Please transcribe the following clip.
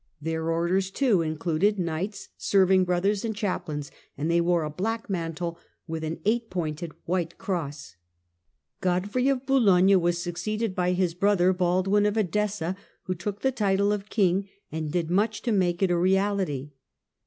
Their Order, too, included knights, serving brothers and chaplains, and they wore a black mantle with an eight pointed white cross. Godfrey of Boulogne was succeeded by his brother, Baldwin i., Baldwin of Edessa, who took the title of King, and did much to make it a reality.